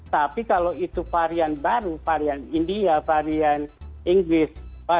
tapi kalau itu varian baru varian india varian inggris